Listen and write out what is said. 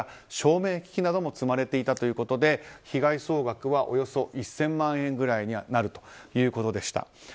照明機器なども積まれていたということで被害総額は１０００万円ぐらいになるということでした。